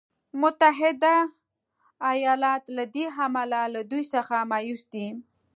متحده ایالات له دې امله له دوی څخه مایوس دی.